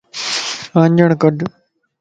آنڃڻ ڪڍ